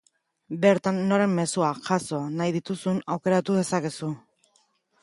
Bertan, noren mezuak jaso nahi dituzun aukeratu dezakezu.